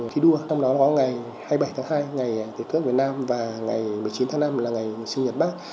khi đua trong đó có ngày hai mươi bảy tháng hai ngày thế tuyết việt nam và ngày một mươi chín tháng năm là ngày sinh nhật bác